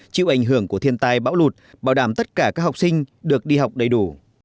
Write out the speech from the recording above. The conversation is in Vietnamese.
chịu ảnh hưởng của thiên tai bão lụt bảo đảm tất cả các học sinh được đi học đầy đủ